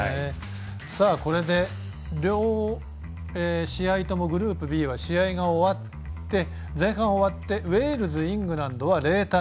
これで両試合グループＢは前半終わってウェールズ、イングランドは０対０。